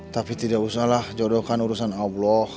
tapi tidak usahlah jodohkan urusan allah